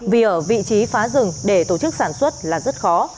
vì ở vị trí phá rừng để tổ chức sản xuất là rất khó